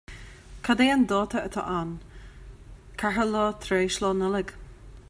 Cad é an dáta atá ann ceathair lá tar éis Lá Nollag?